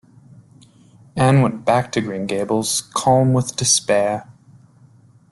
Anne went back to Green Gables calm with despair.